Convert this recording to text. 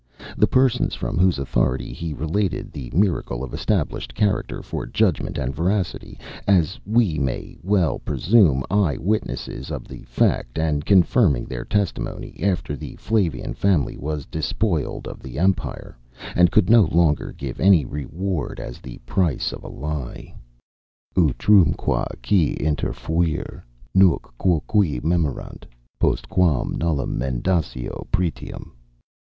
The persons, from whose authority he related the miracle of established character for judgment and veracity, as we may well presume; eye witnesses of the fact, and confirming their testimony, after the Flavian family was despoiled of the empire, and could no longer give any reward as the price of a lie. Utrumque, qui interfuere, nunc quoque memorant, postquam nullum mendacio pretium.